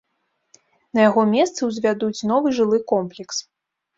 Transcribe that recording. На яго месцы ўзвядуць новы жылы комплекс.